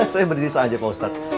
saya berdiri saja pak ustadz